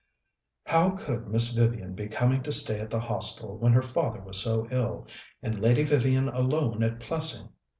How could Miss Vivian be coming to stay at the Hostel when her father was so ill, and Lady Vivian alone at Plessing?